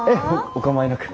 お構いなく。